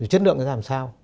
chất lượng ra làm sao